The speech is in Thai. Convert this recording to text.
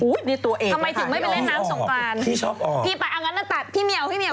อุ๊ยนี่ตัวเอกค่ะอ๋อพี่ชอบออกพี่ไปเอางั้นนะตัด